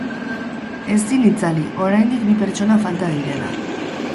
Ezin itzali, oriandik bi pertsona falta direla.